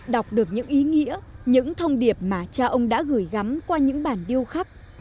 đọc được những ý nghĩa những thông điệp mà cha ông đã gửi gắm qua những bản điêu khắc